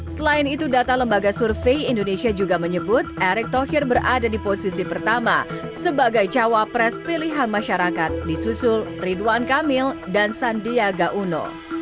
selain itu data lembaga survei indonesia juga menyebut erick thohir berada di posisi pertama sebagai cawapres pilihan masyarakat disusul ridwan kamil dan sandiaga uno